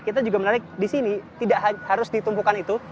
kita juga menarik di sini tidak harus ditumpukan itu